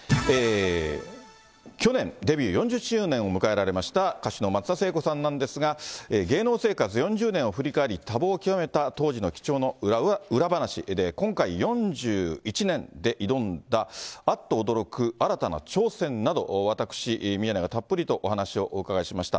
去年、デビュー４０周年を迎えられました歌手の松田聖子さんなんですが、芸能生活４０年を振り返り、多忙を極めた当時の貴重な裏話で、今回、４１年で挑んだ、あっと驚く新たな挑戦など、私、宮根がたっぷりとお話をお伺いしました。